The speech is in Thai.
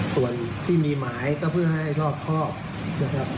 ส่วนที่มีหมายก็เพื่อให้ชอบภอก